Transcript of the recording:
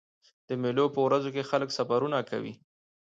د مېلو په ورځو کښي خلک سفرونه کوي.